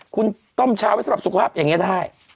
คุณต้มชาไว้สำหรับสุขภาพอย่างนี้ได้